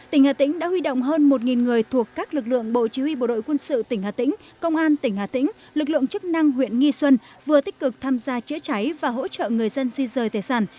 tỉnh hà tĩnh đã huy động hơn một người thuộc các lực lượng bộ chí huy bộ đội quân sự tỉnh hà tĩnh công an tỉnh hà tĩnh lực lượng chức năng huyện nghi xuân vừa tích cực tham gia chữa cháy và hỗ trợ người dân di rời tề sản